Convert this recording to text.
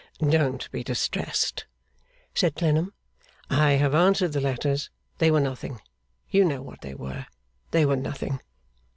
'Don't be distressed,' said Clennam, 'I have answered the letters. They were nothing. You know what they were. They were nothing.